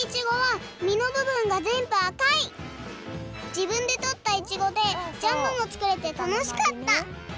じぶんでとったイチゴでジャムもつくれてたのしかった！